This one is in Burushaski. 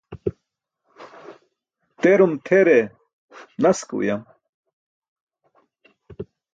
Terum tʰere nas ke uyam.